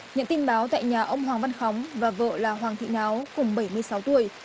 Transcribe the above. nhận tin báo tại nhà ông hoàng văn khóng và vợ là hoàng thị náo cùng bảy mươi sáu tuổi